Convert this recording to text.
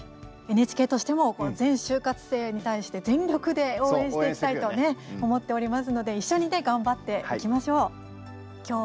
ＮＨＫとしても全就活生に対して全力で応援していきたいと思っておりますので一緒に、頑張っていきましょう。